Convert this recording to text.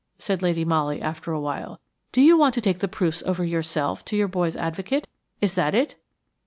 said Lady Molly after a while. "Do you want to take the proofs over yourself to your boy's advocate? Is that it?"